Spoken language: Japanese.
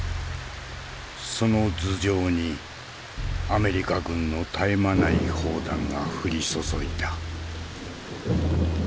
その頭上にアメリカ軍の絶え間ない砲弾が降り注いだ。